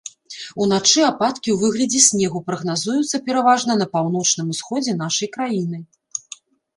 Уначы ападкі ў выглядзе снегу прагназуюцца пераважна на паўночным усходзе нашай краіны.